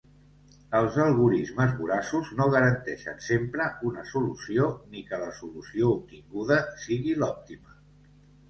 Els algorismes voraços no garanteixen sempre una solució, ni que la solució obtinguda sigui l'òptima.